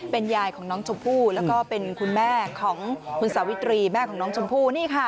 เป็นยายของน้องชมพู่แล้วก็เป็นคุณแม่ของคุณสาวิตรีแม่ของน้องชมพู่นี่ค่ะ